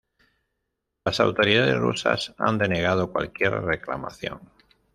Las autoridades rusas han denegado cualquier reclamación.